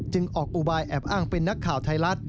ออกอุบายแอบอ้างเป็นนักข่าวไทยรัฐ